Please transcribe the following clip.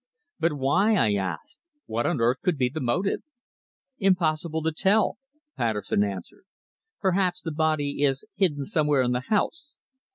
"But why?" I asked. "What on earth could be the motive?" "Impossible to tell," Patterson answered. "Perhaps the body is hidden somewhere in the house."